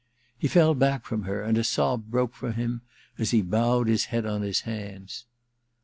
He fell back from her, and a sob broke from him as he bowed his head on his hands.